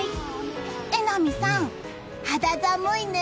榎並さん、肌寒いね！